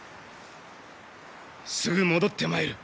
すぐ戻ってまいる。